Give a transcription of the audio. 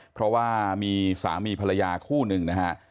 เพราะว่ามีสามีภรรยาคู่หนึ่งนะฮะ